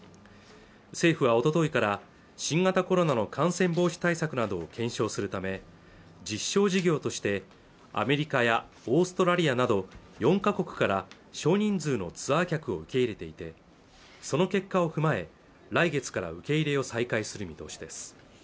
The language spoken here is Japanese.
政府はおとといから新型コロナの感染防止対策などを検証するため実証事業としてアメリカやオーストラリアなど４か国から少人数のツアー客を受け入れていてその結果を踏まえ来月から受け入れを再開する見通しです